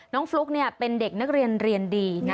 น้องฟลุ๊กเนี่ยเป็นเด็กนักเรียนเรียนดี